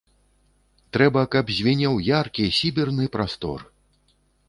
Трэба, каб звінеў яркі, сіберны прастор.